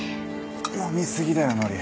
飲み過ぎだよノリ。